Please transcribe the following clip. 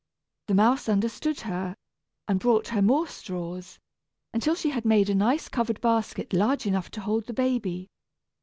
The mouse understood her, and brought her more straws, until she had made a nice covered basket large enough to hold the baby.